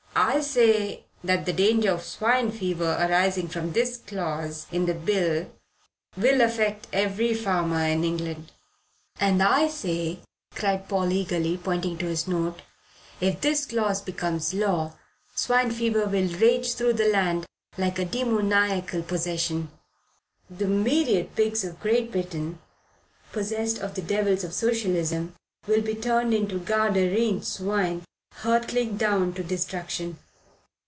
"I say that the danger of swine fever arising from this clause in the Bill will affect every farmer in England." "And I say," cried Paul eagerly, pointing to his note, "if this clause becomes law, swine fever will rage through the land like a demoniacal possession. The myriad pigs of Great Britain, possessed of the devils of Socialism, will be turned into Gadarene swine hurtling down to destruction.